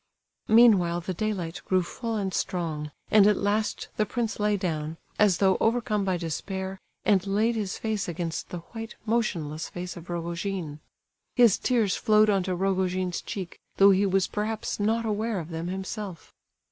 Meanwhile the daylight grew full and strong; and at last the prince lay down, as though overcome by despair, and laid his face against the white, motionless face of Rogojin. His tears flowed on to Rogojin's cheek, though he was perhaps not aware of them himself.